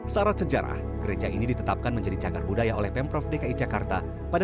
sarat sejarah gereja ini ditetapkan menjadi cagar budaya oleh pemprov dki jakarta pada seribu sembilan ratus sembilan puluh tiga